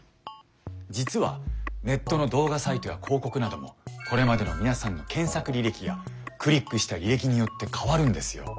実はネットの動画サイトや広告などもこれまでの皆さんの検索履歴やクリックした履歴によって変わるんですよ。